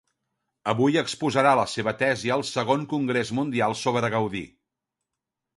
Avui exposarà la seva tesi al segon congrés mundial sobre Gaudí.